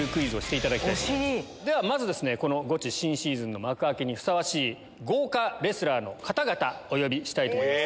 ゴチ新シーズンの幕開けにふさわしい豪華レスラーの方々お呼びしたいと思います。